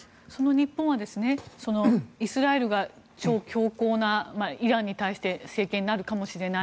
日本はイスラエルが超強硬なイランに対して政権になるかもしれない。